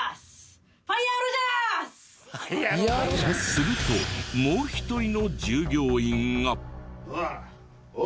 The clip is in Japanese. するともう一人の従業員が。